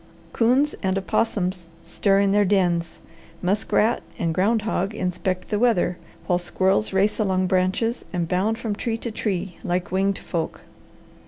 Coons and opossums stir in their dens, musk rat and ground hog inspect the weather, while squirrels race along branches and bound from tree to tree like winged folk.